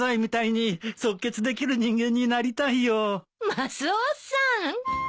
マスオさん。